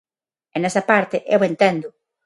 E nesa parte eu enténdoo.